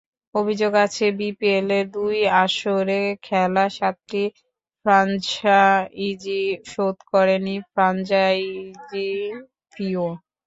অভিযোগ আছে, বিপিএলের দুই আসরে খেলা সাতটি ফ্র্যাঞ্চাইজি শোধ করেনি ফ্র্যাঞ্চাইজি ফিও।